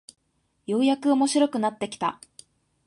ようやく面白くなってきた